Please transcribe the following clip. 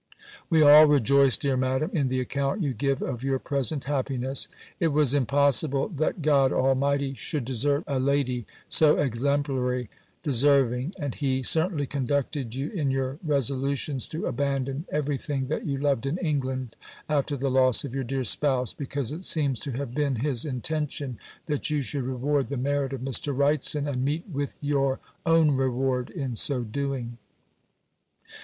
"We all rejoice, dear Madam, in the account you give of your present happiness. It was impossible that God Almighty should desert a lady so exemplarily deserving; and he certainly conducted you in your resolutions to abandon every thing that you loved in England, after the loss of your dear spouse, because it seems to have been his intention that you should reward the merit of Mr. Wrightson, and meet with your own reward in so doing.